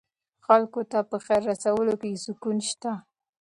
خلکو ته په خیر رسولو کې سکون شته.